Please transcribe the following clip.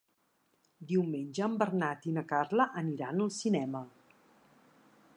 Diumenge en Bernat i na Carla aniran al cinema.